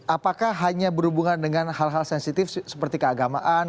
apakah hanya berhubungan dengan hal hal sensitif seperti keagamaan